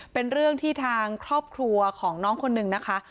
เป็นเรื่องที่ทางครอบครัวของน้องคนนึงนะคะ